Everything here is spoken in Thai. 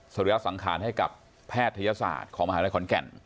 ริยสังขารให้กับแพทยศาสตร์ของมหาลัยขอนแก่น